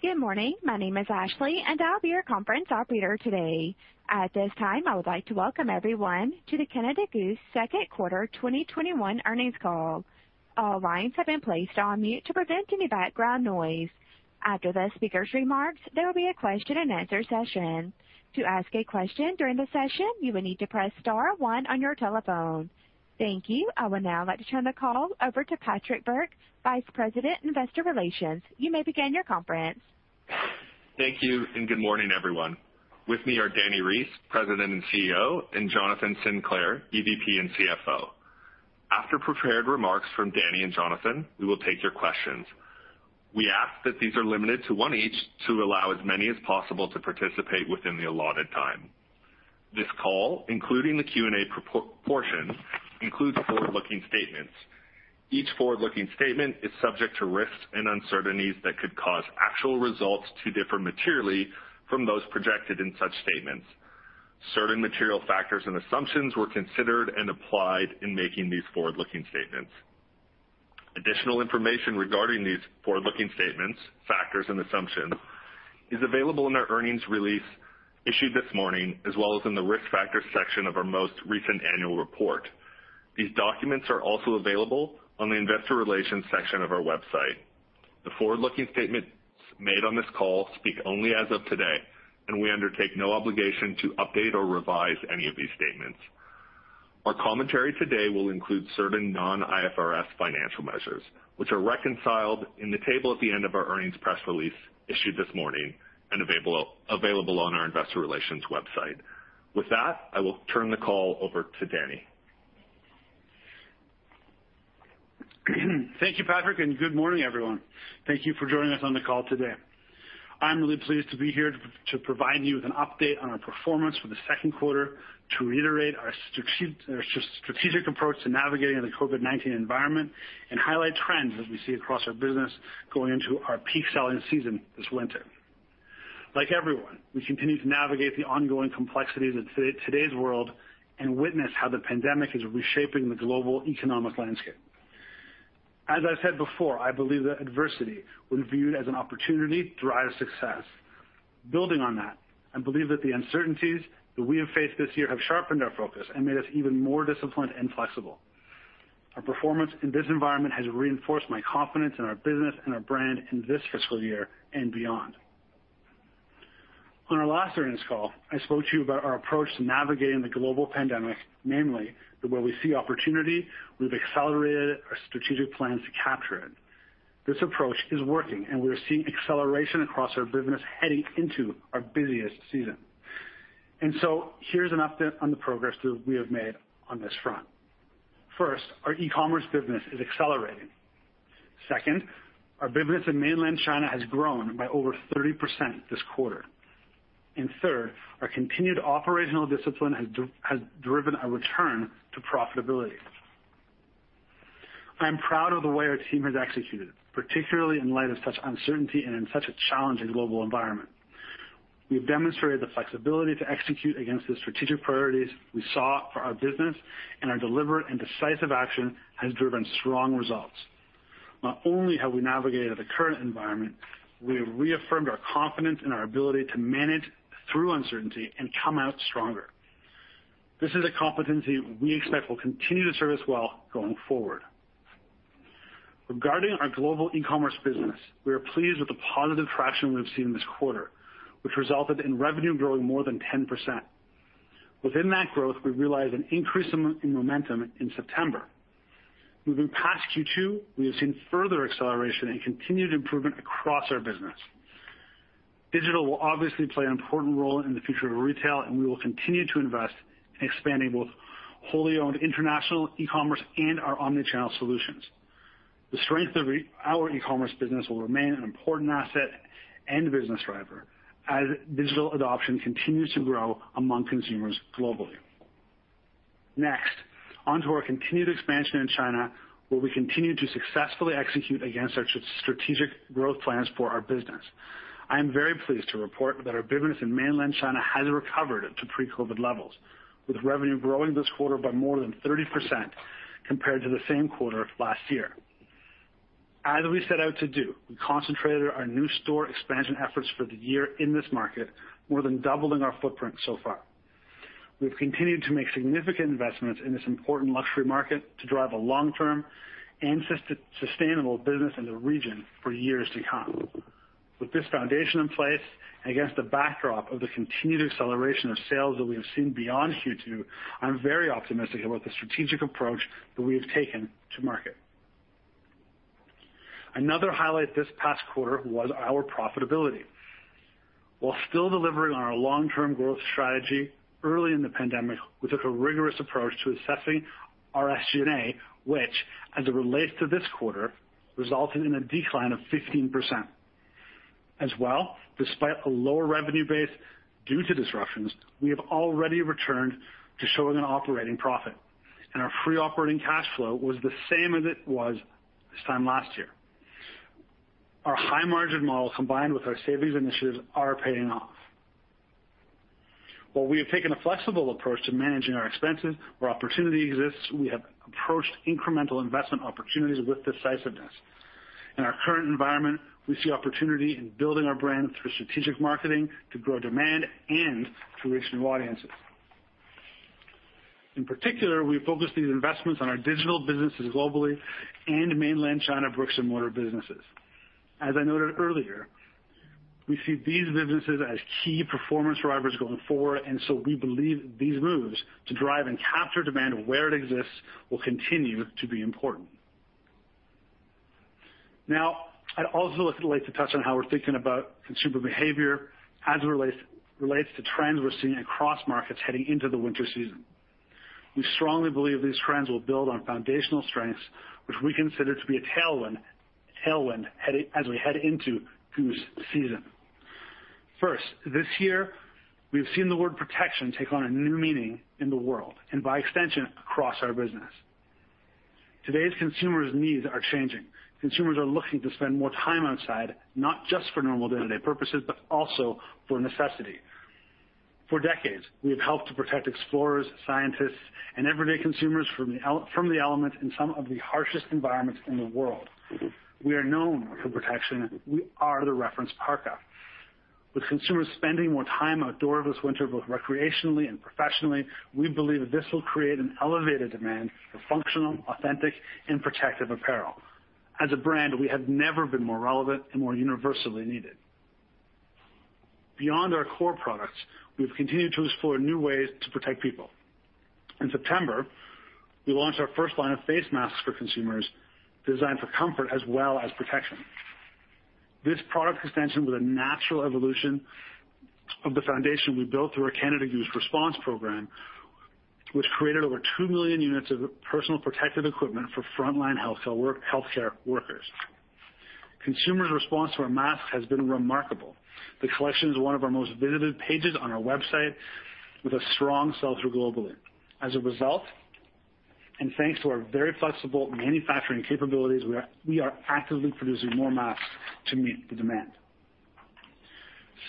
Good morning. My name is Ashley, and I'll be your conference operator today. At this time, I would like to welcome everyone to the Canada Goose second quarter 2021 earnings call. All lines have been placed on mute to prevent any background noise. After the speaker's remarks, there will be a question and answer session. To ask a question during the session, you will need to press star one on your telephone. Thank you. I would now like to turn the call over to Patrick Bourke, Vice President, Investor Relations. You may begin your conference. Thank you, and good morning, everyone. With me are Dani Reiss, President and Chief Executive Officer, and Jonathan Sinclair, Executive Vice President and Chief Financial Officer. After prepared remarks from Dani and Jonathan, we will take your questions. We ask that these are limited to one each to allow as many as possible to participate within the allotted time. This call, including the Q&A portion, includes forward-looking statements. Each forward-looking statement is subject to risks and uncertainties that could cause actual results to differ materially from those projected in such statements. Certain material factors and assumptions were considered and applied in making these forward-looking statements. Additional information regarding these forward-looking statements, factors, and assumptions is available in our earnings release issued this morning, as well as in the Risk Factors section of our most recent annual report. These documents are also available on the Investor Relations section of our website. The forward-looking statements made on this call speak only as of today, and we undertake no obligation to update or revise any of these statements. Our commentary today will include certain non-IFRS financial measures, which are reconciled in the table at the end of our earnings press release issued this morning and available on our Investor Relations website. With that, I will turn the call over to Dani. Thank you, Patrick, and good morning, everyone. Thank you for joining us on the call today. I'm really pleased to be here to provide you with an update on our performance for the second quarter, to reiterate our strategic approach to navigating the COVID-19 environment, and highlight trends as we see across our business going into our peak selling season this winter. Like everyone, we continue to navigate the ongoing complexities of today's world and witness how the pandemic is reshaping the global economic landscape. As I've said before, I believe that adversity, when viewed as an opportunity, drives success. Building on that, I believe that the uncertainties that we have faced this year have sharpened our focus and made us even more disciplined and flexible. Our performance in this environment has reinforced my confidence in our business and our brand in this fiscal year and beyond. On our last earnings call, I spoke to you about our approach to navigating the global pandemic, namely that where we see opportunity, we've accelerated our strategic plans to capture it. This approach is working, and we are seeing acceleration across our business heading into our busiest season. Here's an update on the progress that we have made on this front. First, our e-commerce business is accelerating. Second, our business in Mainland China has grown by over 30% this quarter. Third, our continued operational discipline has driven a return to profitability. I am proud of the way our team has executed, particularly in light of such uncertainty and in such a challenging global environment. We have demonstrated the flexibility to execute against the strategic priorities we saw for our business, and our deliberate and decisive action has driven strong results. Not only have we navigated the current environment, we have reaffirmed our confidence in our ability to manage through uncertainty and come out stronger. This is a competency we expect will continue to serve us well going forward. Regarding our global e-commerce business, we are pleased with the positive traction we've seen this quarter, which resulted in revenue growing more than 10%. Within that growth, we realized an increase in momentum in September. Moving past Q2, we have seen further acceleration and continued improvement across our business. Digital will obviously play an important role in the future of retail, and we will continue to invest in expanding both wholly owned international e-commerce and our omni-channel solutions. The strength of our e-commerce business will remain an important asset and business driver as digital adoption continues to grow among consumers globally. Next, onto our continued expansion in China, where we continue to successfully execute against our strategic growth plans for our business. I am very pleased to report that our business in Mainland China has recovered to pre-COVID levels, with revenue growing this quarter by more than 30% compared to the same quarter of last year. As we set out to do, we concentrated our new store expansion efforts for the year in this market, more than doubling our footprint so far. We've continued to make significant investments in this important luxury market to drive a long-term and sustainable business in the region for years to come. With this foundation in place, against the backdrop of the continued acceleration of sales that we have seen beyond Q2, I'm very optimistic about the strategic approach that we have taken to market. Another highlight this past quarter was our profitability. While still delivering on our long-term growth strategy early in the pandemic, we took a rigorous approach to assessing our SG&A, which, as it relates to this quarter, resulted in a decline of 15%. As well, despite a lower revenue base due to disruptions, we have already returned to showing an operating profit, and our free operating cash flow was the same as it was this time last year. Our high-margin model combined with our savings initiatives are paying off. While we have taken a flexible approach to managing our expenses, where opportunity exists, we have approached incremental investment opportunities with decisiveness. In our current environment, we see opportunity in building our brand through strategic marketing to grow demand and to reach new audiences. In particular, we focus these investments on our digital businesses globally and Mainland China bricks-and-mortar businesses. As I noted earlier, we see these businesses as key performance drivers going forward, and so we believe these moves to drive and capture demand where it exists will continue to be important. Now, I'd also like to touch on how we're thinking about consumer behavior as it relates to trends we're seeing across markets heading into the winter season. We strongly believe these trends will build on foundational strengths, which we consider to be a tailwind as we head into Goose season. First, this year, we've seen the word protection take on a new meaning in the world, and by extension, across our business. Today's consumers' needs are changing. Consumers are looking to spend more time outside, not just for normal day-to-day purposes, but also for necessity. For decades, we have helped to protect explorers, scientists, and everyday consumers from the elements in some of the harshest environments in the world. We are known for protection. We are the reference parka. With consumers spending more time outdoors this winter, both recreationally and professionally, we believe that this will create an elevated demand for functional, authentic, and protective apparel. As a brand, we have never been more relevant and more universally needed. Beyond our core products, we've continued to explore new ways to protect people. In September, we launched our first line of face masks for consumers, designed for comfort as well as protection. This product extension was a natural evolution of the foundation we built through our Canada Goose Response Program, which created over 2 million units of personal protective equipment for frontline healthcare workers. Consumers' response to our masks has been remarkable. The collection is one of our most visited pages on our website, with a strong sell-through globally. As a result, and thanks to our very flexible manufacturing capabilities, we are actively producing more masks to meet the demand.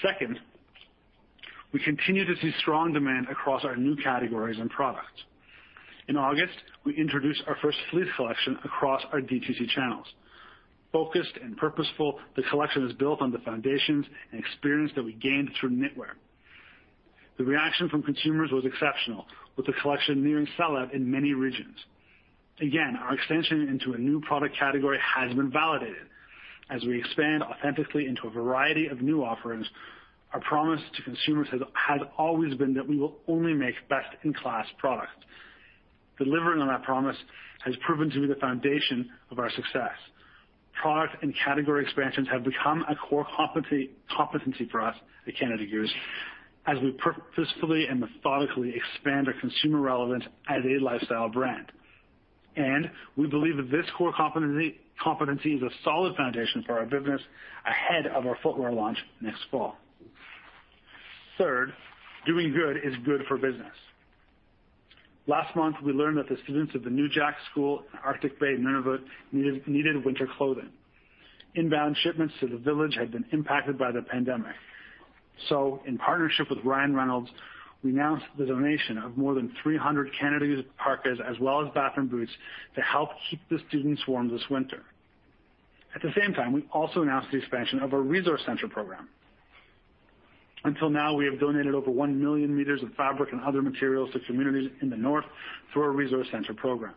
Second, we continue to see strong demand across our new categories and products. In August, we introduced our first fleece collection across our D2C channels. Focused and purposeful, the collection is built on the foundations and experience that we gained through knitwear. The reaction from consumers was exceptional, with the collection nearing sell-out in many regions. Again, our extension into a new product category has been validated. As we expand authentically into a variety of new offerings, our promise to consumers has always been that we will only make best-in-class products. Delivering on that promise has proven to be the foundation of our success. Product and category expansions have become a core competency for us at Canada Goose as we purposefully and methodically expand our consumer relevance as a lifestyle brand. We believe that this core competency is a solid foundation for our business ahead of our footwear launch next fall. Third, doing good is good for business. Last month, we learned that the students of the Inuujaq School in Arctic Bay, Nunavut, needed winter clothing. Inbound shipments to the village had been impacted by the pandemic. In partnership with Ryan Reynolds, we announced the donation of more than 300 Canada Goose parkas, as well as Baffin boots, to help keep the students warm this winter. At the same time, we also announced the expansion of our Resource Center Program. Until now, we have donated over 1 million meters of fabric and other materials to communities in the North through our Resource Center Program.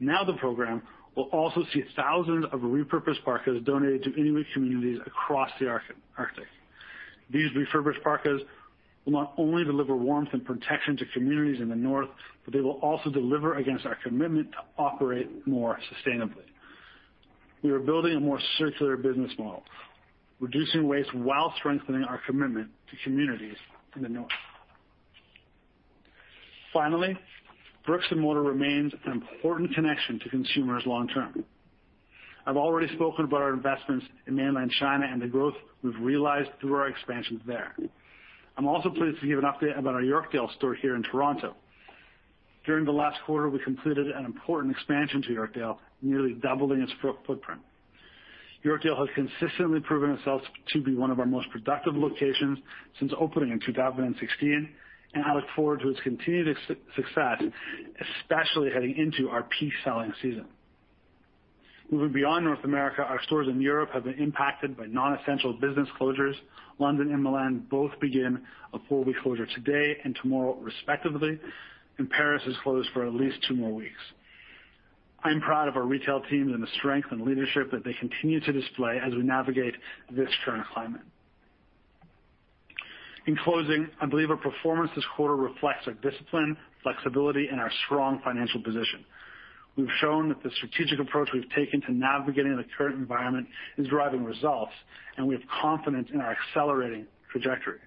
Now the program will also see thousands of repurposed parkas donated to Inuit communities across the Arctic. These refurbished parkas will not only deliver warmth and protection to communities in the North, but they will also deliver against our commitment to operate more sustainably. We are building a more circular business model, reducing waste while strengthening our commitment to communities in the North. Finally, bricks-and-mortar remains an important connection to consumers long-term. I've already spoken about our investments in Mainland China and the growth we've realized through our expansions there. I'm also pleased to give an update about our Yorkdale store here in Toronto. During the last quarter, we completed an important expansion to Yorkdale, nearly doubling its footprint. Yorkdale has consistently proven itself to be one of our most productive locations since opening in 2016, and I look forward to its continued success, especially heading into our peak selling season. Moving beyond North America, our stores in Europe have been impacted by non-essential business closures. London and Milan both begin a four-week closure today and tomorrow, respectively, and Paris is closed for at least two more weeks. I am proud of our retail teams and the strength and leadership that they continue to display as we navigate this current climate. In closing, I believe our performance this quarter reflects our discipline, flexibility, and our strong financial position. We've shown that the strategic approach we've taken to navigating the current environment is driving results, and we have confidence in our accelerating trajectory.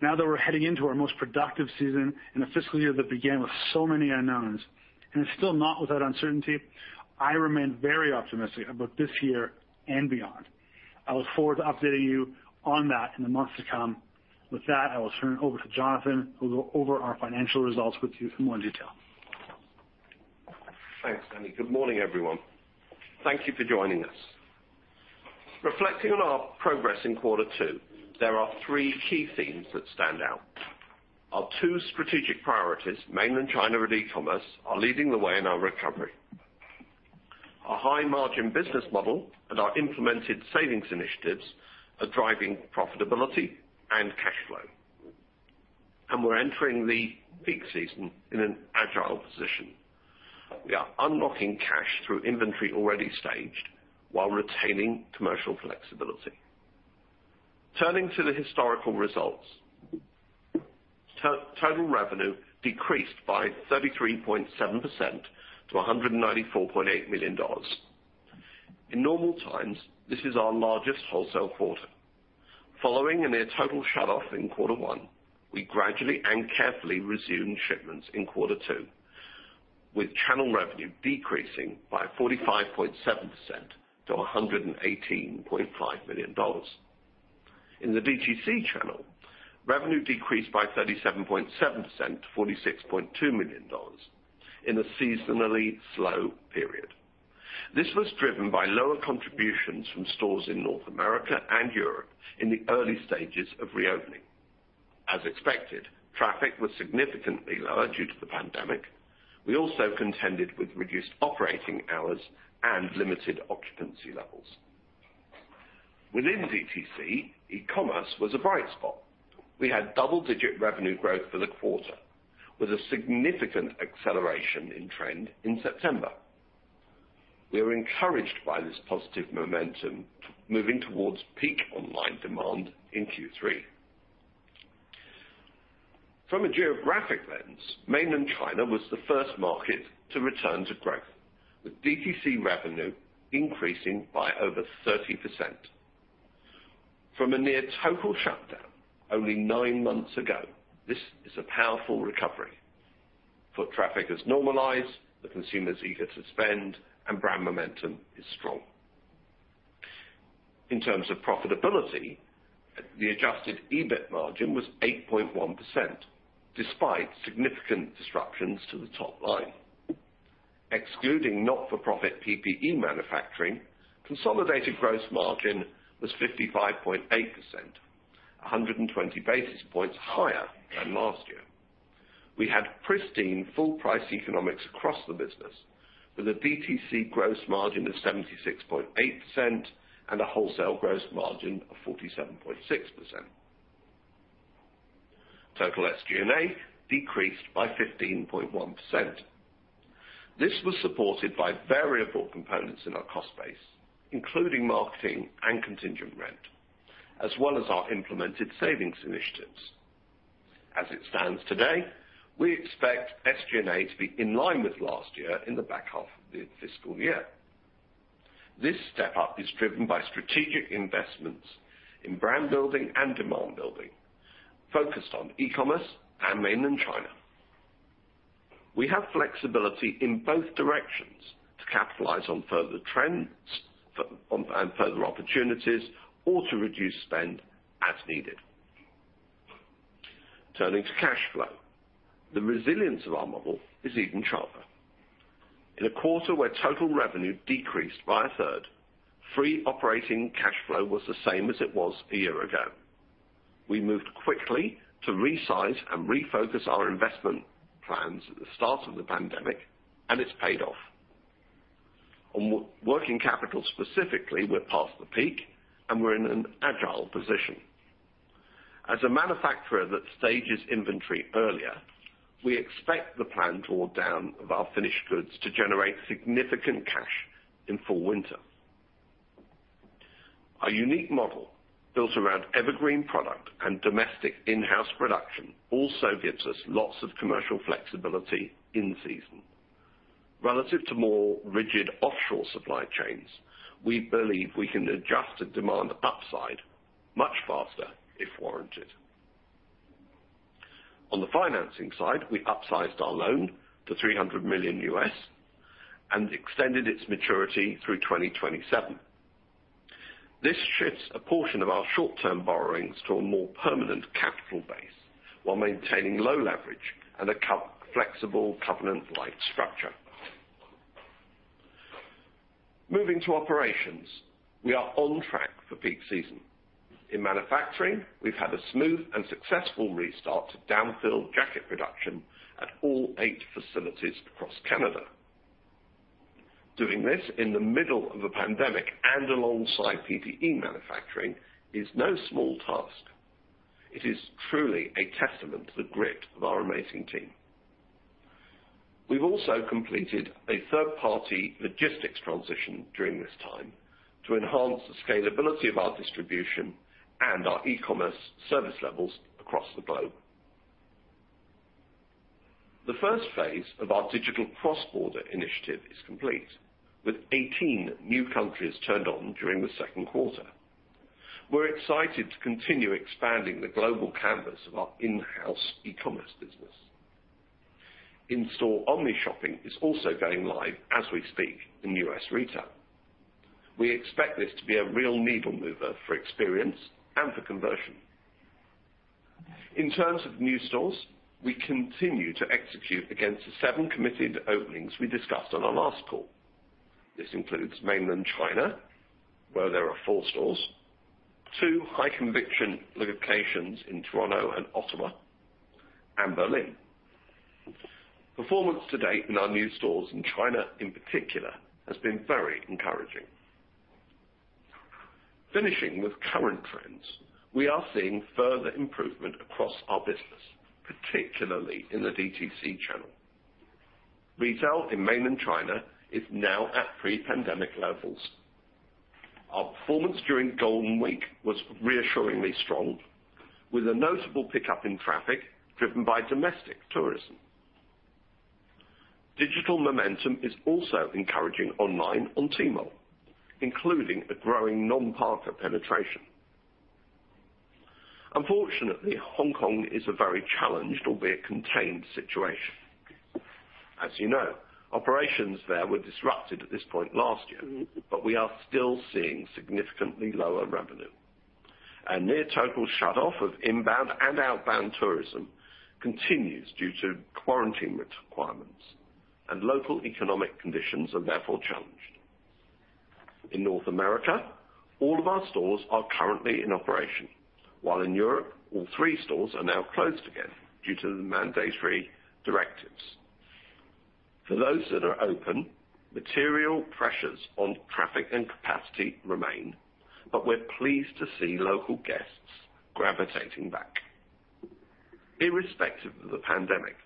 Now that we're heading into our most productive season in a fiscal year that began with so many unknowns, and it's still not without uncertainty, I remain very optimistic about this year and beyond. I look forward to updating you on that in the months to come. With that, I will turn it over to Jonathan, who will go over our financial results with you in more detail. Thanks, Dani. Good morning, everyone. Thank you for joining us. Reflecting on our progress in quarter two, there are three key themes that stand out. Our two strategic priorities, Mainland China and e-commerce, are leading the way in our recovery. Our high margin business model and our implemented savings initiatives are driving profitability and cash flow. We're entering the peak season in an agile position. We are unlocking cash through inventory already staged while retaining commercial flexibility. Turning to the historical results, total revenue decreased by 33.7% to 194.8 million dollars. In normal times, this is our largest wholesale quarter. Following a near total shutoff in quarter one, we gradually and carefully resumed shipments in quarter two, with channel revenue decreasing by 45.7% to 118.5 million dollars. In the DTC channel, revenue decreased by 37.7% to 46.2 million dollars in a seasonally slow period. This was driven by lower contributions from stores in North America and Europe in the early stages of reopening. As expected, traffic was significantly lower due to the pandemic. We also contended with reduced operating hours and limited occupancy levels. Within DTC, e-commerce was a bright spot. We had double-digit revenue growth for the quarter with a significant acceleration in trend in September. We are encouraged by this positive momentum moving towards peak online demand in Q3. From a geographic lens, Mainland China was the first market to return to growth, with DTC revenue increasing by over 30%. From a near total shutdown only nine months ago, this is a powerful recovery. Foot traffic has normalized, the consumer's eager to spend, and brand momentum is strong. In terms of profitability, the adjusted EBIT margin was 8.1%, despite significant disruptions to the top line. Excluding not-for-profit PPE manufacturing, consolidated gross margin was 55.8%, 120 basis points higher than last year. We had pristine full price economics across the business with a DTC gross margin of 76.8% and a wholesale gross margin of 47.6%. Total SG&A decreased by 15.1%. This was supported by variable components in our cost base, including marketing and contingent rent, as well as our implemented savings initiatives. As it stands today, we expect SG&A to be in line with last year in the back half of the fiscal year. This step up is driven by strategic investments in brand building and demand building focused on e-commerce and Mainland China. We have flexibility in both directions to capitalize on further trends and further opportunities or to reduce spend as needed. Turning to cash flow, the resilience of our model is even sharper. In a quarter where total revenue decreased by a 1/3, free operating cash flow was the same as it was a year ago. We moved quickly to resize and refocus our investment plans at the start of the pandemic, and it's paid off. On working capital specifically, we're past the peak and we're in an agile position. As a manufacturer that stages inventory earlier, we expect the planned drawdown of our finished goods to generate significant cash in Fall/Winter. Our unique model built around evergreen product and domestic in-house production also gives us lots of commercial flexibility in season. Relative to more rigid offshore supply chains, we believe we can adjust to demand upside much faster if warranted. On the financing side, we upsized our loan to $300 million and extended its maturity through 2027. This shifts a portion of our short-term borrowings to a more permanent capital base while maintaining low leverage and a flexible covenant-lite structure. Moving to operations, we are on track for peak season. In manufacturing, we've had a smooth and successful restart to down-filled jacket production at all eight facilities across Canada. Doing this in the middle of a pandemic and alongside PPE manufacturing is no small task. It is truly a testament to the grit of our amazing team. We've also completed a third-party logistics transition during this time to enhance the scalability of our distribution and our e-commerce service levels across the globe. The first phase of our digital cross-border initiative is complete, with 18 new countries turned on during the second quarter. We're excited to continue expanding the global canvas of our in-house e-commerce business. In store, omni-shopping is also going live as we speak in U.S. retail. We expect this to be a real needle mover for experience and for conversion. In terms of new stores, we continue to execute against the seven committed openings we discussed on our last call. This includes Mainland China, where there are four stores, two high-conviction locations in Toronto and Ottawa, and Berlin. Performance to date in our new stores in China, in particular, has been very encouraging. Finishing with current trends, we are seeing further improvement across our business, particularly in the DTC channel. Retail in Mainland China is now at pre-pandemic levels. Our performance during Golden Week was reassuringly strong, with a notable pickup in traffic driven by domestic tourism. Digital momentum is also encouraging online on Tmall, including a growing non-parka penetration. Unfortunately, Hong Kong is a very challenged, albeit contained situation. As you know, operations there were disrupted at this point last year, but we are still seeing significantly lower revenue. A near total shutoff of inbound and outbound tourism continues due to quarantine requirements, and local economic conditions are therefore challenged. In North America, all of our stores are currently in operation, while in Europe all three stores are now closed again due to the mandatory directives. For those that are open, material pressures on traffic and capacity remain, but we're pleased to see local guests gravitating back. Irrespective of the pandemic,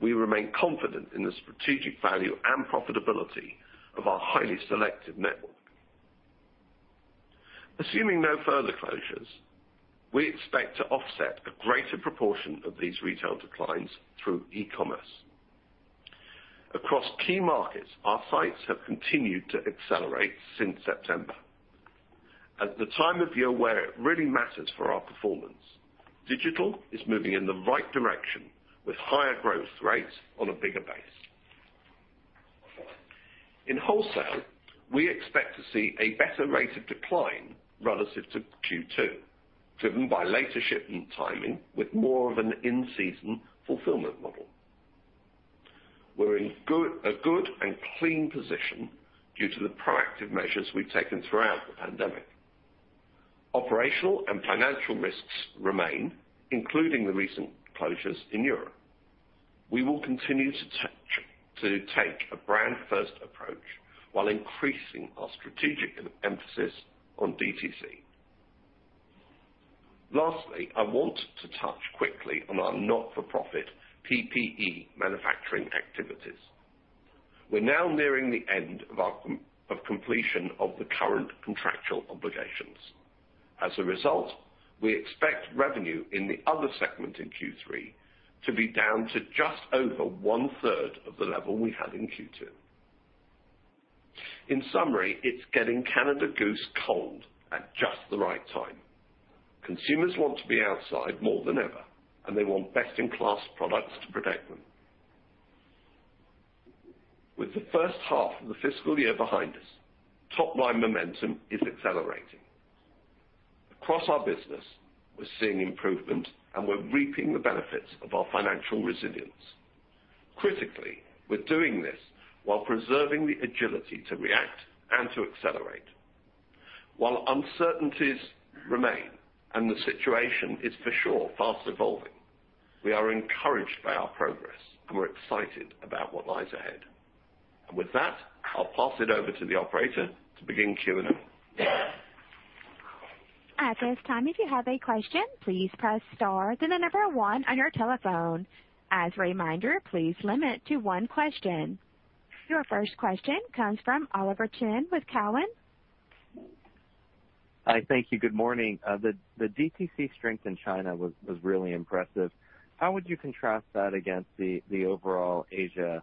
we remain confident in the strategic value and profitability of our highly selective network. Assuming no further closures, we expect to offset a greater proportion of these retail declines through e-commerce. Across key markets, our sites have continued to accelerate since September. At the time of year where it really matters for our performance, digital is moving in the right direction with higher growth rates on a bigger base. In wholesale, we expect to see a better rate of decline relative to Q2, driven by later shipment timing with more of an in-season fulfillment model. We're in a good and clean position due to the proactive measures we've taken throughout the pandemic. Operational and financial risks remain, including the recent closures in Europe. We will continue to take a brand-first approach while increasing our strategic emphasis on DTC. Lastly, I want to touch quickly on our not-for-profit PPE manufacturing activities. We're now nearing the end of completion of the current contractual obligations. As a result, we expect revenue in the other segment in Q3 to be down to just over 1/3 of the level we had in Q2. In summary, it's getting Canada Goose cold at just the right time. Consumers want to be outside more than ever, and they want best-in-class products to protect them. With the first half of the fiscal year behind us, top-line momentum is accelerating. Across our business, we're seeing improvement, and we're reaping the benefits of our financial resilience. Critically, we're doing this while preserving the agility to react and to accelerate. While uncertainties remain and the situation is for sure fast evolving, we are encouraged by our progress, and we're excited about what lies ahead. With that, I'll pass it over to the operator to begin Q&A. At this time, if you have a question, please press star then the number one on your telephone. As a reminder, please limit to one question. Your first question comes from Oliver Chen with Cowen. Hi. Thank you. Good morning. The DTC strength in China was really impressive. How would you contrast that against the overall Asia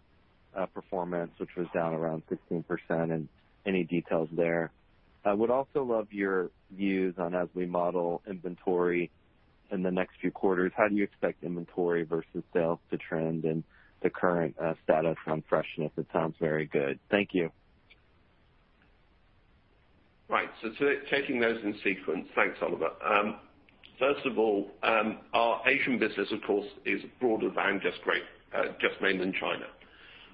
performance, which was down around 15%? Any details there. I would also love your views on as we model inventory in the next few quarters, how do you expect inventory versus sales to trend and the current status on freshness? It sounds very good. Thank you. Right. Taking those in sequence. Thanks, Oliver. First of all, our Asian business, of course, is broader than just Mainland China.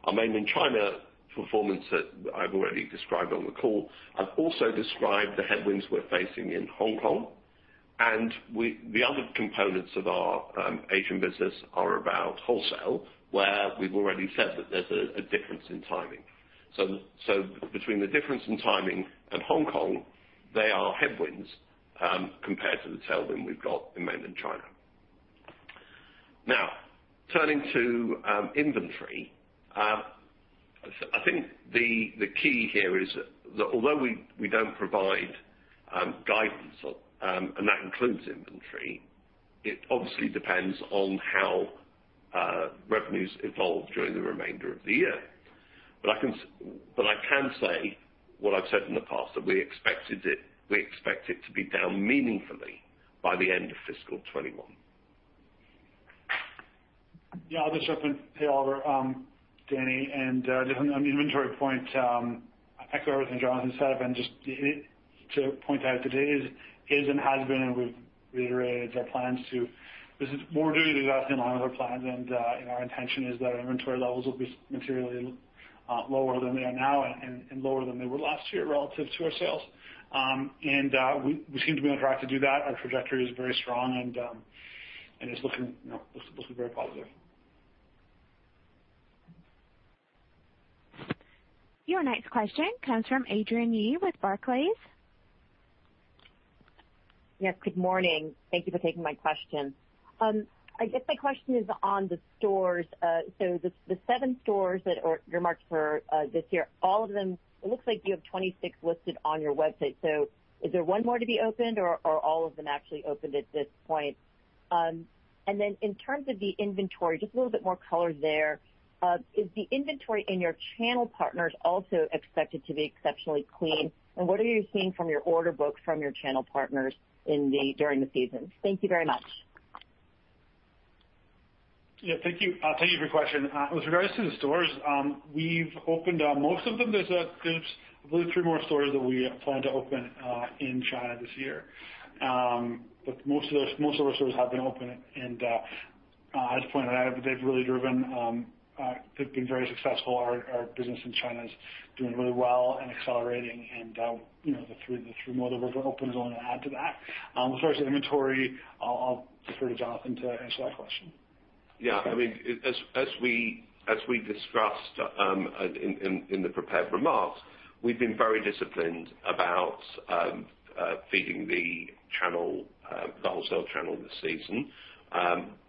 Our Mainland China performance that I've already described on the call, I've also described the headwinds we're facing in Hong Kong, and the other components of our Asian business are about wholesale, where we've already said that there's a difference in timing. Between the difference in timing and Hong Kong, they are headwinds, compared to the tailwind we've got in Mainland China. Now, turning to inventory. I think the key here is that although we don't provide guidance, and that includes inventory, it obviously depends on how revenues evolve during the remainder of the year. I can say what I've said in the past, that we expect it to be down meaningfully by the end of fiscal 2021. Yeah, I'll just jump in. Hey, Oliver, Dani. Just on the inventory point, I echo everything Jonathan said, and just to point out today is, and has been, and we've reiterated our plans to. This is more DTC in line with our plans. Our intention is that our inventory levels will be materially lower than they are now and lower than they were last year relative to our sales. We seem to be on track to do that. Our trajectory is very strong and is looking very positive. Your next question comes from Adrienne Yih with Barclays. Yes, good morning. Thank you for taking my question. I guess my question is on the stores. The seven stores that are earmarked for this year, all of them, it looks like you have 26 listed on your website. Is there one more to be opened, or are all of them actually opened at this point? In terms of the inventory, just a little bit more color there. Is the inventory in your channel partners also expected to be exceptionally clean? What are you seeing from your order books from your channel partners during the season? Thank you very much. Thank you. Thank you for your question. With regards to the stores, we've opened most of them. There's three more stores that we plan to open in China this year. Most of our stores have been open, and I'll just point that out, they've been very successful. Our business in China is doing really well and accelerating, and the three more that we're going to open is only going to add to that. With regards to inventory, I'll defer to Jonathan to answer that question. Yeah, as we discussed in the prepared remarks, we've been very disciplined about feeding the wholesale channel this season.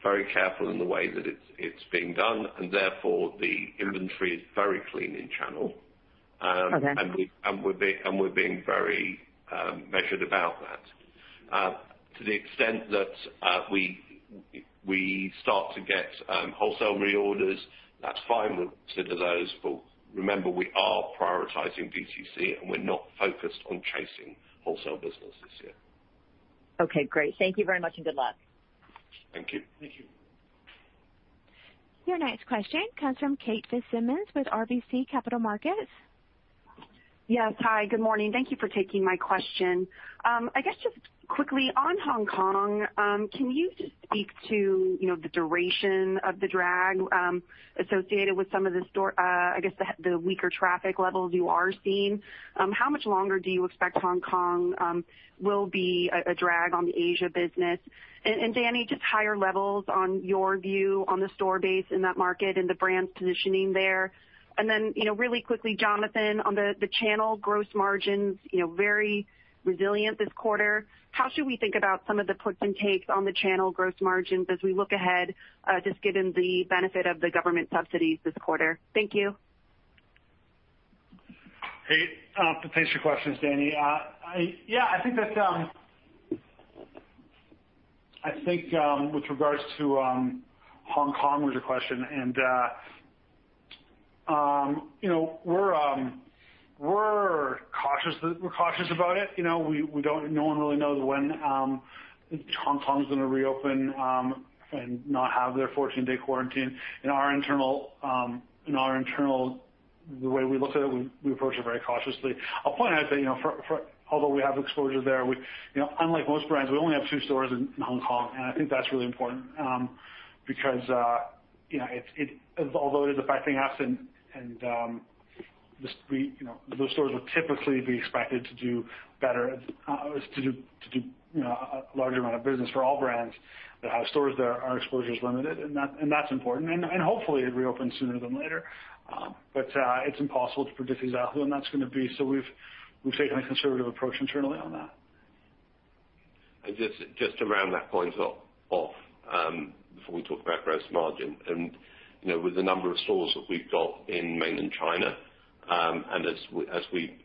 Very careful in the way that it's being done, and therefore, the inventory is very clean in channel. Okay. We're being very measured about that. To the extent that we start to get wholesale reorders, that's fine, we'll consider those. Remember, we are prioritizing DTC, and we're not focused on chasing wholesale business this year. Okay, great. Thank you very much, and good luck. Thank you. Thank you. Your next question comes from Kate Fitzsimons with RBC Capital Markets. Yes. Hi, good morning. Thank you for taking my question. I guess, just quickly on Hong Kong, can you just speak to the duration of the drag associated with some of the weaker traffic levels you are seeing. How much longer do you expect Hong Kong will be a drag on the Asia business? Dani, just higher levels on your view on the store base in that market and the brand's positioning there. Really quickly, Jonathan, on the channel gross margins very resilient this quarter. How should we think about some of the puts and takes on the channel gross margins as we look ahead, just given the benefit of the government subsidies this quarter? Thank you. Kate, thanks for your questions. Dani. Yeah, I think with regards to Hong Kong was your question. We're cautious about it. No one really knows when Hong Kong is going to reopen and not have their 14-day quarantine. In our internal, the way we look at it, we approach it very cautiously. I'll point out that although we have exposure there, unlike most brands, we only have two stores in Hong Kong. I think that's really important. Although it is affecting us, those stores would typically be expected to do better, to do a larger amount of business for all brands that have stores there, our exposure is limited. That's important. Hopefully it reopens sooner than later. It's impossible to predict exactly when that's going to be. We've taken a conservative approach internally on that. Just to round that point off before we talk about gross margin, with the number of stores that we've got in Mainland China, as we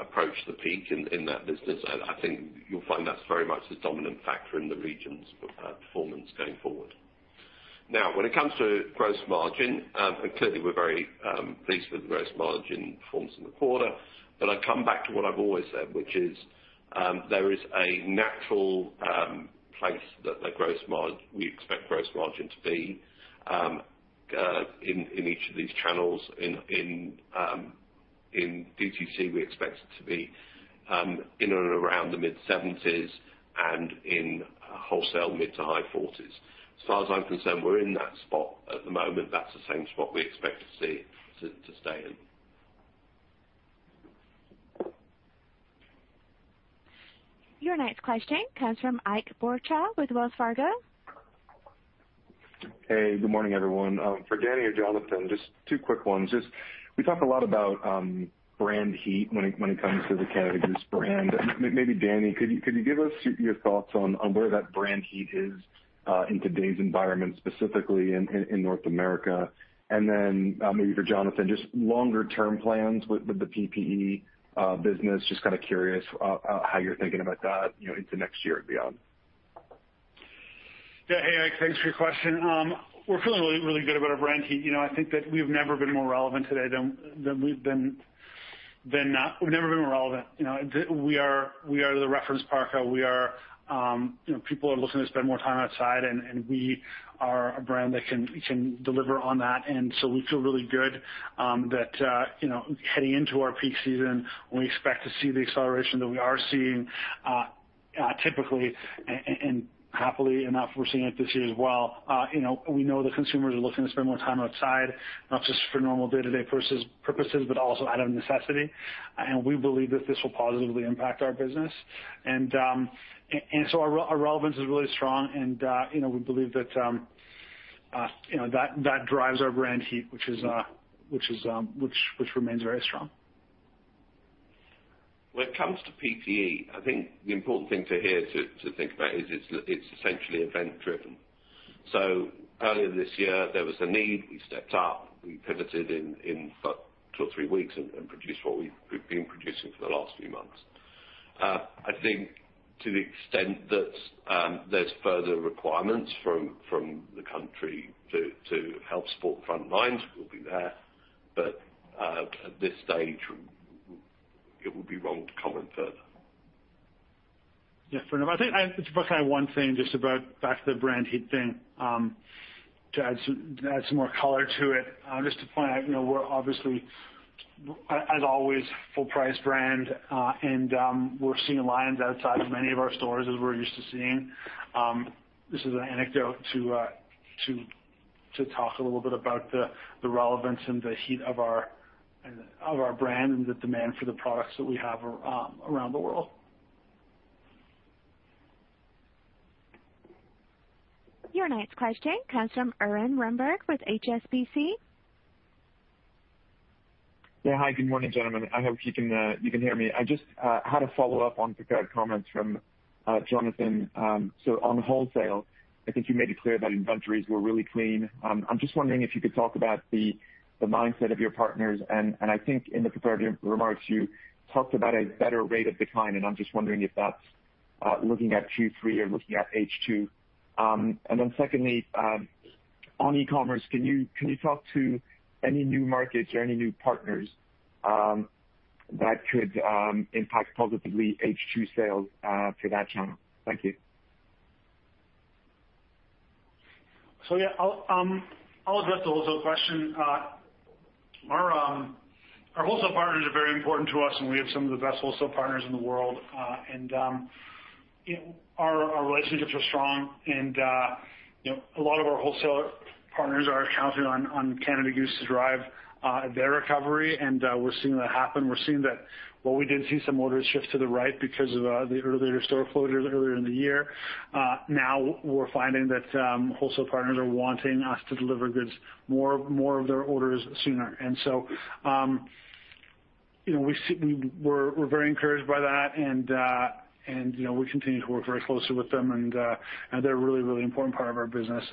approach the peak in that business, I think you'll find that's very much the dominant factor in the region's performance going forward. When it comes to gross margin, clearly we're very pleased with the gross margin performance in the quarter. I come back to what I've always said, which is there is a natural place that we expect gross margin to be in each of these channels. In DTC, we expect it to be in and around the mid-70s, and in wholesale, mid to high 40s. As far as I'm concerned, we're in that spot at the moment. That's the same spot we expect to stay in. Your next question comes from Ike Boruchow with Wells Fargo. Hey, good morning, everyone. For Dani or Jonathan, just two quick ones. We talk a lot about brand heat when it comes to the Canada Goose brand. Maybe Dani, could you give us your thoughts on where that brand heat is in today's environment, specifically in North America? Then maybe for Jonathan, longer-term plans with the PPE business. Kind of curious how you're thinking about that into next year and beyond. Yeah. Hey, Ike. Thanks for your question. We're feeling really good about our brand heat. I think that we've never been more relevant. We are the reference parka. People are looking to spend more time outside, we are a brand that can deliver on that. We feel really good that heading into our peak season, we expect to see the acceleration that we are seeing typically, and happily enough, we're seeing it this year as well. We know the consumers are looking to spend more time outside, not just for normal day-to-day purposes, but also out of necessity. We believe that this will positively impact our business. Our relevance is really strong, and we believe that drives our brand heat, which remains very strong. When it comes to PPE, I think the important thing to hear, to think about is it's essentially event-driven. Earlier this year, there was a need, we stepped up, we pivoted in about two or three weeks and produced what we've been producing for the last few months. I think to the extent that there's further requirements from the country to help support front lines, we'll be there. At this stage, it would be wrong to comment further. Yeah, fair enough. I think it's probably one thing just about back to the brand heat thing, to add some more color to it. Just to point out, we're obviously, as always, full price brand. We're seeing lines outside of many of our stores as we're used to seeing. This is an anecdote to talk a little bit about the relevance and the heat of our brand and the demand for the products that we have around the world. Your next question comes from Erwan Rambourg with HSBC. Hi. Good morning, gentlemen. I hope you can hear me. I just had a follow-up on prepared comments from Jonathan. On wholesale, I think you made it clear that inventories were really clean. I'm just wondering if you could talk about the mindset of your partners, and I think in the prepared remarks, you talked about a better rate of decline, and I'm just wondering if that's looking at Q3 or looking at H2. Secondly, on e-commerce, can you talk to any new markets or any new partners that could impact positively H2 sales for that channel? Thank you. Yeah, I'll address the wholesale question. Our wholesale partners are very important to us, and we have some of the best wholesale partners in the world. Our relationships are strong and a lot of our wholesale partners are counting on Canada Goose to drive their recovery. We're seeing that happen. We're seeing that while we did see some orders shift to the right because of the earlier store closures earlier in the year, now we're finding that wholesale partners are wanting us to deliver goods, more of their orders sooner. We're very encouraged by that, and we continue to work very closely with them, and they're a really, really important part of our business.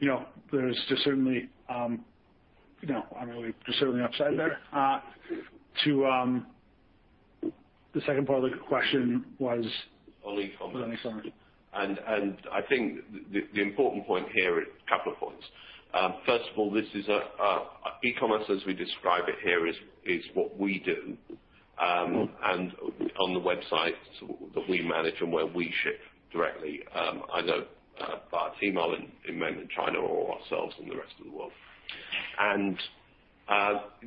There's just certainly an upside there. The second part of the question was? On e-commerce. I'm sorry. I think the important point here, a couple of points. First of all, e-commerce as we describe it here is what we do, and on the websites that we manage and where we ship directly, either via Tmall in Mainland China or ourselves in the rest of the world.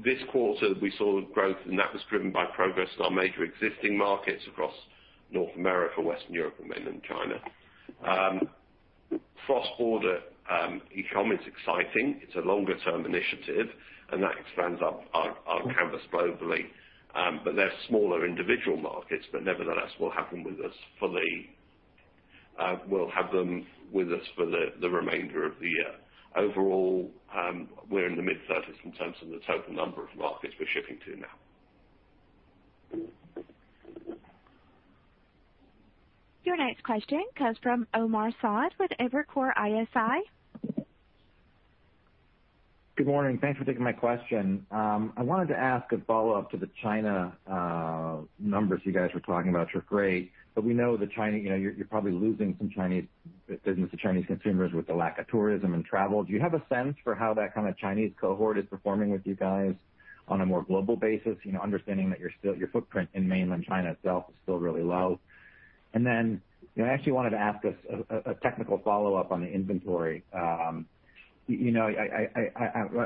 This quarter, we saw growth, and that was driven by progress in our major existing markets across North America, Western Europe, and Mainland China. Cross-border e-com is exciting. It's a longer-term initiative, and that expands our canvas globally. They're smaller individual markets, but nevertheless will happen with us fully. We'll have them with us for the remainder of the year. Overall, we're in the mid-30s in terms of the total number of markets we're shipping to now. Your next question comes from Omar Saad with Evercore ISI. Good morning. Thanks for taking my question. I wanted to ask a follow-up to the China numbers you guys were talking about are great. We know that you're probably losing some business to Chinese consumers with the lack of tourism and travel. Do you have a sense for how that kind of Chinese cohort is performing with you guys on a more global basis, understanding that your footprint in Mainland China itself is still really low? Then, I actually wanted to ask a technical follow-up on the inventory. I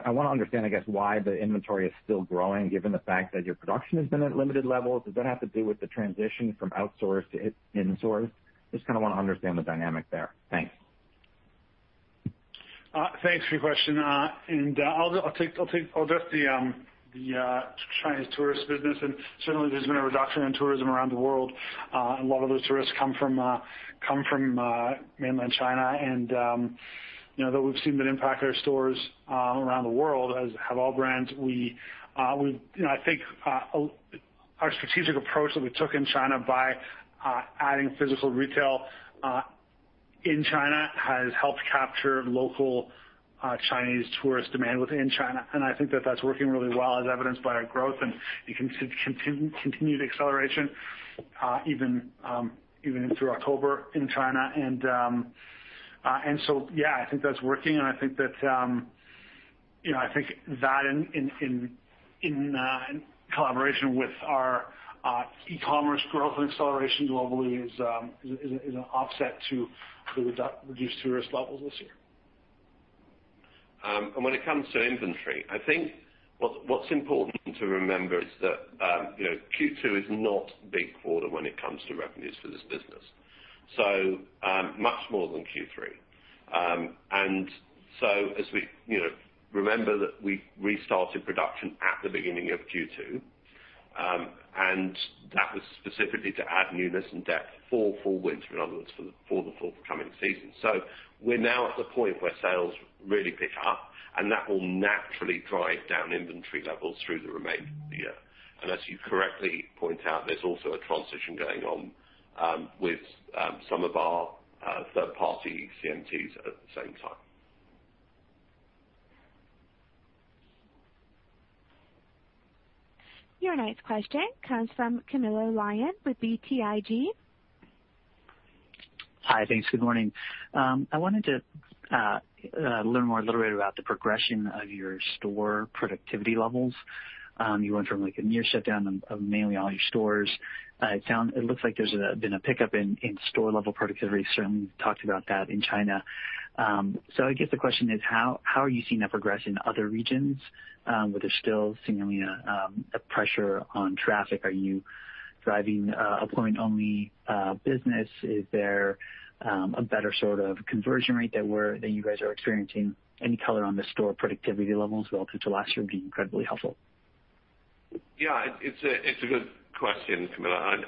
want to understand, I guess, why the inventory is still growing given the fact that your production has been at limited levels. Does that have to do with the transition from outsourced to insourced? Just kinda wanna understand the dynamic there. Thanks. Thanks for your question. I'll address the Chinese tourist business, and certainly there's been a reduction in tourism around the world. A lot of those tourists come from Mainland China. Though we've seen that impact our stores around the world, as have all brands, I think our strategic approach that we took in China by adding physical retail in China has helped capture local Chinese tourist demand within China. I think that that's working really well as evidenced by our growth and the continued acceleration even in through October in China. Yeah, I think that's working. I think that in collaboration with our e-commerce growth and acceleration globally is an offset to the reduced tourist levels this year. When it comes to inventory, I think what's important to remember is that Q2 is not a big quarter when it comes to revenues for this business. Much more than Q3. As we remember that we restarted production at the beginning of Q2, and that was specifically to add newness and depth for Fall/Winter, in other words, for the forthcoming season. We're now at the point where sales really pick up, and that will naturally drive down inventory levels through the remainder of the year. As you correctly point out, there's also a transition going on with some of our third party CMTs at the same time. Your next question comes from Camilo Lyon with BTIG. Hi, thanks. Good morning. I wanted to learn more a little bit about the progression of your store productivity levels. You went from a near shutdown of mainly all your stores. It looks like there's been a pickup in store level productivity. You certainly talked about that in China. I guess the question is, how are you seeing that progress in other regions? Where there's still seemingly a pressure on traffic, are you driving appointment only business? Is there a better sort of conversion rate that you guys are experiencing? Any color on the store productivity levels relative to last year would be incredibly helpful. Yeah. It's a good question, Camilo.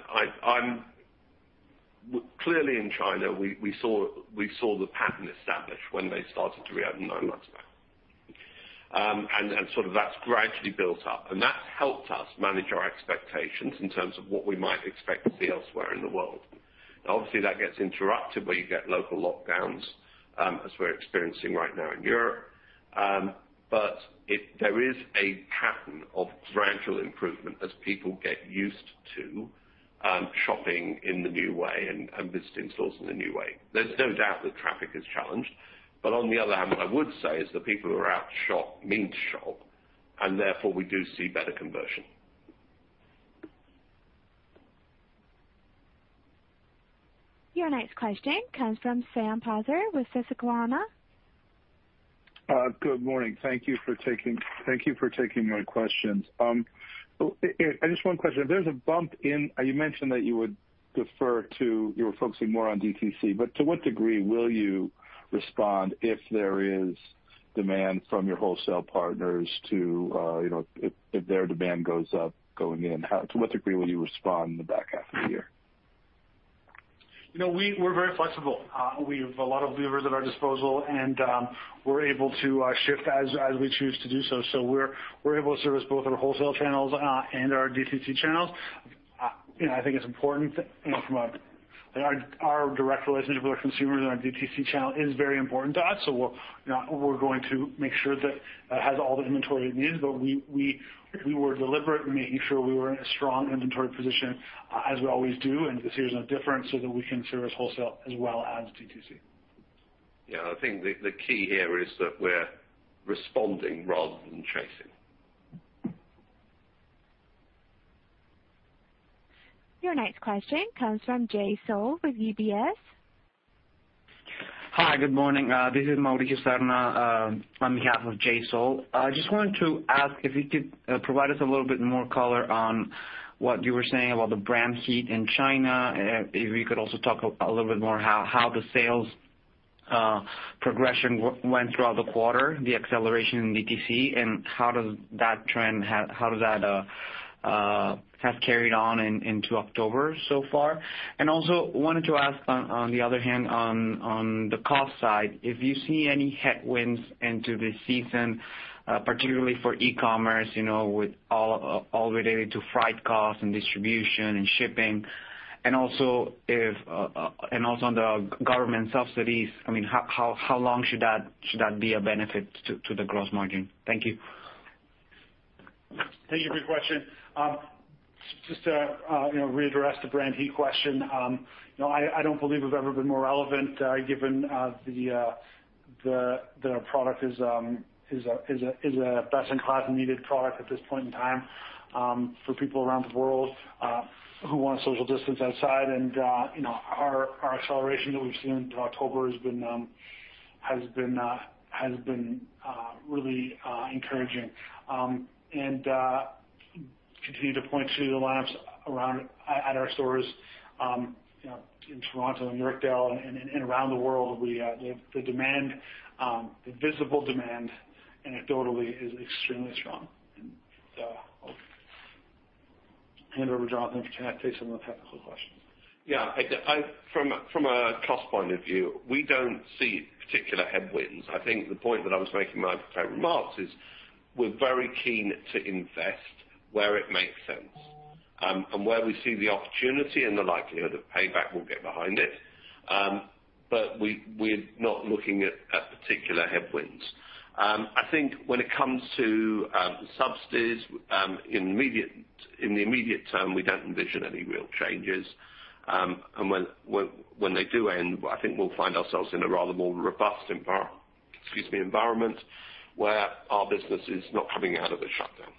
Clearly in China, we saw the pattern established when they started to reopen nine months back. Sort of that's gradually built up, and that's helped us manage our expectations in terms of what we might expect to see elsewhere in the world. Now, obviously, that gets interrupted where you get local lockdowns, as we're experiencing right now in Europe. There is a pattern of gradual improvement as people get used to shopping in the new way and visiting stores in a new way. There's no doubt that traffic is challenged. On the other hand, what I would say is that people who are out to shop mean to shop, and therefore we do see better conversion. Your next question comes from Sam Poser with Susquehanna. Good morning. Thank you for taking my questions. Just one question. You mentioned that you were focusing more on DTC. To what degree will you respond if there is demand from your wholesale partners if their demand goes up going in, to what degree will you respond in the back half of the year? We're very flexible. We have a lot of levers at our disposal, and we're able to shift as we choose to do so. We're able to service both our wholesale channels, and our DTC channels. I think it's important our direct relationship with our consumers and our DTC channel is very important to us. We're going to make sure that it has all the inventory it needs, but we were deliberate in making sure we were in a strong inventory position as we always do, and this year's no different, so that we can service wholesale as well as DTC. Yeah, I think the key here is that we're responding rather than chasing. Your next question comes from Jay Sole with UBS. Hi. Good morning. This is Mauricio Serna, on behalf of Jay Sole. I just wanted to ask if you could provide us a little bit more color on what you were saying about the brand heat in China, if you could also talk a little bit more how the sales progression went throughout the quarter, the acceleration in DTC, and how does that have carried on into October so far? Also wanted to ask on the other hand, on the cost side, if you see any headwinds into this season, particularly for e-commerce, with all related to freight costs and distribution and shipping, and also on the government subsidies, how long should that be a benefit to the gross margin? Thank you. Thank you for your question. Just to readdress the brand heat question. I don't believe we've ever been more relevant, given the product is a best in class needed product at this point in time, for people around the world who want social distance outside. Our acceleration that we've seen into October has been really encouraging. Continue to point to the lineups at our stores in Toronto and Yorkdale and around the world. The visible demand anecdotally is extremely strong. I'll hand over to Jonathan to take some of the technical questions. From a cost point of view, we don't see particular headwinds. I think the point that I was making in my opening remarks is we're very keen to invest where it makes sense. Where we see the opportunity and the likelihood of payback, we'll get behind it. We're not looking at particular headwinds. I think when it comes to subsidies, in the immediate term, we don't envision any real changes. When they do end, I think we'll find ourselves in a rather more robust environment where our business is not coming out of a shutdown.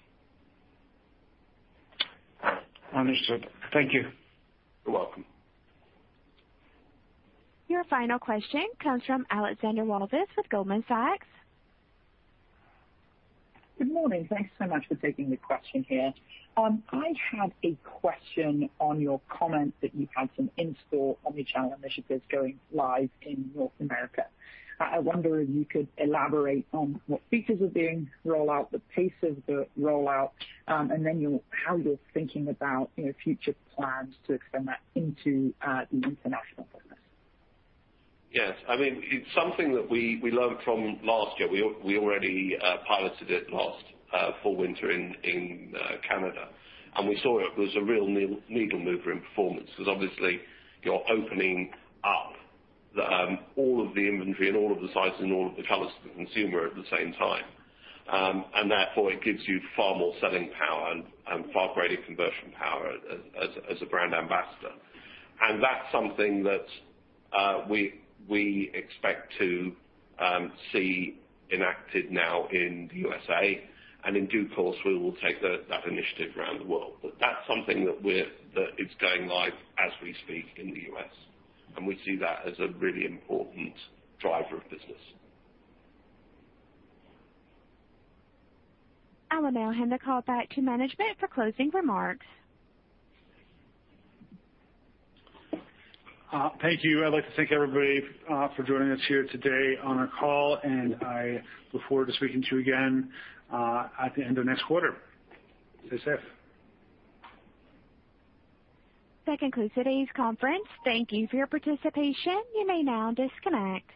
Understood. Thank you. You're welcome. Your final question comes from Alexandra Walvis with Goldman Sachs. Good morning. Thanks so much for taking the question here. I had a question on your comment that you had some in-store omnichannel initiatives going live in North America. I wonder if you could elaborate on what features are being rolled out, the pace of the rollout, and then how you're thinking about future plans to extend that into the international business. Yes. It's something that we learned from last year. We already piloted it last full winter in Canada, and we saw it was a real needle mover in performance, because obviously you're opening up all of the inventory and all of the sizes and all of the colors to the consumer at the same time. Therefore, it gives you far more selling power and far greater conversion power as a brand ambassador. That's something that we expect to see enacted now in the U.S.A., and in due course, we will take that initiative around the world. That's something that is going live as we speak in the U.S., and we see that as a really important driver of business. I will now hand the call back to management for closing remarks. Thank you. I'd like to thank everybody for joining us here today on our call, and I look forward to speaking to you again at the end of next quarter. Stay safe. That concludes today's conference. Thank you for your participation. You may now disconnect.